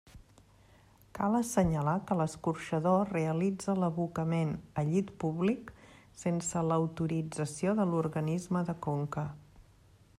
Cal assenyalar que l'escorxador realitza l'abocament a llit públic sense l'autorització de l'organisme de conca.